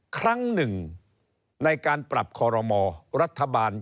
ครั้งหนึ่งในการปรับคอรมอรัฐบาล